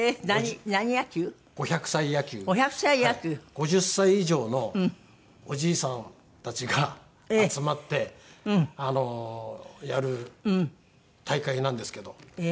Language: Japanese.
５０歳以上のおじいさんたちが集まってやる大会なんですけど。